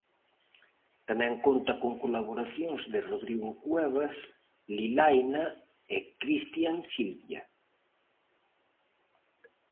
Tamén conta con colaboracións de Rodrigo Cuevas, Lilaina e Cristian Silvia.